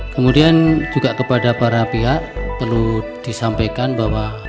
kemudian juga kepada para pihak perlu disampaikan bahwa